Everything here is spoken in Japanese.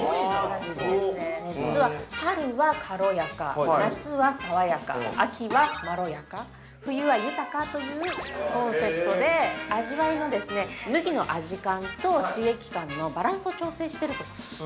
実は、春はかろやか、夏は爽やか、秋はまろやか、冬は豊かというコンセプトで味わいの麦の味感と刺激感のバランスを調整していると。